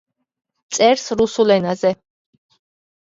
წერს რუსულ ენაზე.